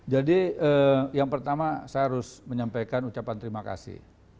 jadi yang pertama saya harus menyampaikan ucapan terima kasih